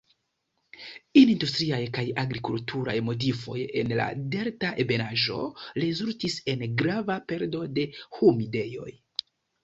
Industriaj kaj agrikulturaj modifoj en la delta ebenaĵo rezultis en grava perdo de humidejoj.